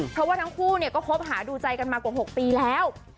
เพราะว่าทั้งคู่เนี่ยก็คบหาดูใจกันมากว่า๖ปีแล้ว